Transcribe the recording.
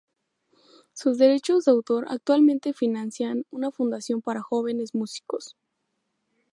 Sus derechos de autor actualmente financian una fundación para jóvenes músicos.